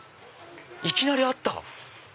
いきなりあった！